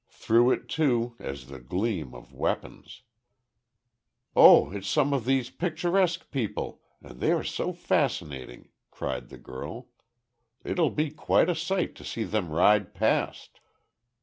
Through it, too, as the gleam of weapons. "Oh, it's some of these picturesque people, and they are so fascinating," cried the girl. "It'll be quite a sight to see them ride past."